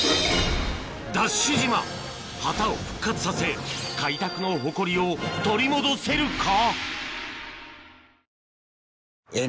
旗を復活させ開拓の誇りを取り戻せるか？